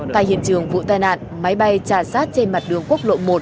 tại hiện trường vụ tai nạn máy bay tràn sát trên mặt đường quốc lộ một